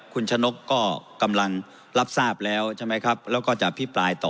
คุณชะนกก็กำลังรับทราบแล้วใช่ไหมครับแล้วก็จะอภิปรายต่อ